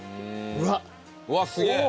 うわっすげえ。